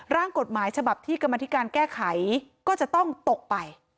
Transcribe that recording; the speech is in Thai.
ร่างกฎหมายฉบับที่กรรมธิการแก้ไขก็จะต้องตกไป